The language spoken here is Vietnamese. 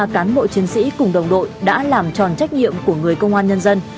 ba cán bộ chiến sĩ cùng đồng đội đã làm tròn trách nhiệm của người công an nhân dân